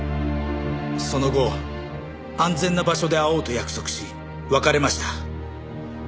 その後安全な場所で会おうと約束し別れました。